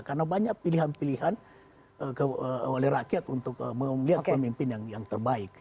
karena banyak pilihan pilihan oleh rakyat untuk melihat pemimpin yang terbaik